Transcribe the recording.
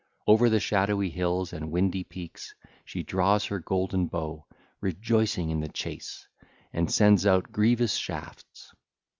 Over the shadowy hills and windy peaks she draws her golden bow, rejoicing in the chase, and sends out grievous shafts.